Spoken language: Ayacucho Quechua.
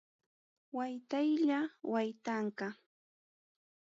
Waytaylla waytanqa.